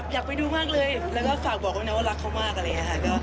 อยากไปดูมากเลยแล้วก็ฝากบอกด้วยนะว่ารักเขามากอะไรอย่างนี้ค่ะ